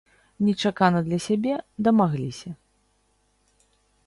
Нечакана для сябе, дамагліся.